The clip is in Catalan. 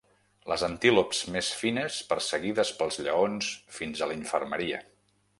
Les antílops més fines, perseguides pels lleons fins a la infermeria.